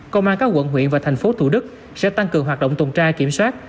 công an các quận huyện và thành phố thủ đức sẽ tăng cường hoạt động tuần tra kiểm soát